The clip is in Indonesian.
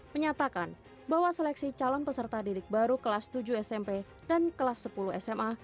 menyatakan bahwa seleksi calon peserta didik baru kelas tujuh smp dan kelas sepuluh sma